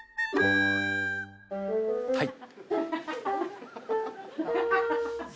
はい。